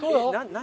何？